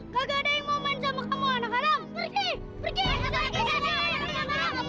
gak ada yang mau main sama kamu anak haram